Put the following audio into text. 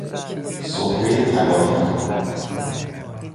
سهره طلایی